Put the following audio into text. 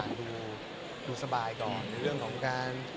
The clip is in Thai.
ผมคิดว่ามันก็เรื่อยเนาะ